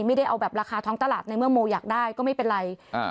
ไม่ได้เอาแบบราคาท้องตลาดในเมื่อโมอยากได้ก็ไม่เป็นไรอ่า